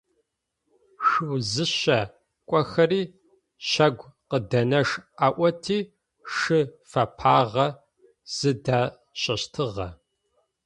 Шъузыщэ кӏохэри щагукъыдэнэш аӏоти шы фэпагъэ зыдащэщтыгъэ.